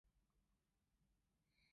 东莞黐住广州